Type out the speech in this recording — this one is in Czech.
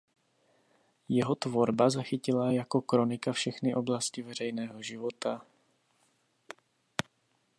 Jeho tvorba zachytila jako kronika všechny oblasti veřejného života.